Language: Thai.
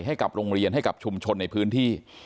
ให้กับโรงเรียนให้กับชุมชนในพื้นที่